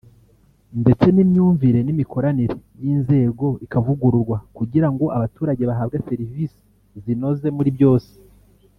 ndetse n’imyumvire n’imikoranire y’inzego ikavugururwa kugira ngo abaturage bahabwe serivisi zinoze muri byose